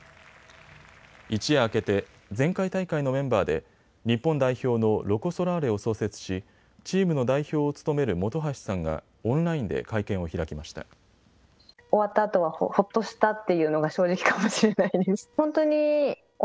一夜明けて前回大会のメンバーで日本代表のロコ・ソラーレを創設しチームの代表を務める本橋さんがオンラインで会見を開きました。